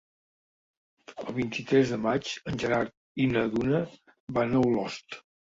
El vint-i-tres de maig en Gerard i na Duna van a Olost.